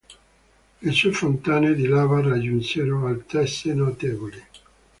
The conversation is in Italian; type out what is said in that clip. Le sue fontane di lava raggiunsero altezze notevoli.